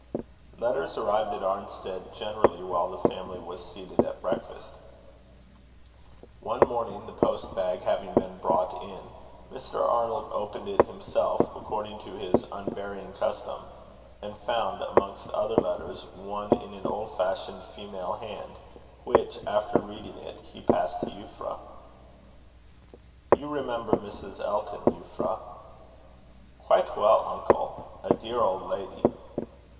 Letters arrived at Arnstead generally while the family was seated at breakfast. One morning, the post bag having been brought in, Mr. Arnold opened it himself, according to his unvarying custom; and found, amongst other letters, one in an old fashioned female hand, which, after reading it, he passed to Euphra. "You remember Mrs. Elton, Euphra?" "Quite well, uncle a dear old lady!"